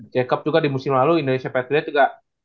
jacob juga di musim lalu indonesia patriot juga